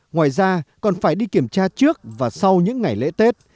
ngoài ra còn phải đi kiểm tra trước và sau những ngày lễ tết